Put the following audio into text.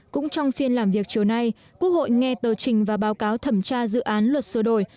cũng trong phiên làm việc chiều nay quốc hội nghe tờ trình và báo cáo thẩm tra dự án luật sửa đổi